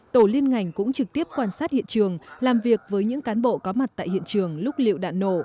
tổ liên ngành cũng trực tiếp quan sát hiện trường làm việc với những cán bộ có mặt tại hiện trường lúc liệu đạn nổ